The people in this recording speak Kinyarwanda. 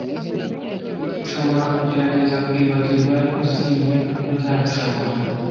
Nshobora kugerageza kwibagirwa, ariko sinkeka ko nzabishobora.